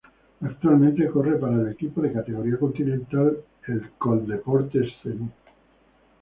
Actualmente corre para el equipo de categoría continental el Coldeportes Zenú.